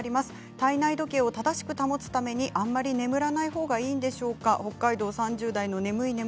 体内時計を正しく保つためにあまり眠らないほうがいいんでしょうか。